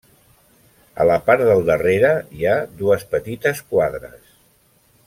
A la part del darrere hi ha dues petites quadres.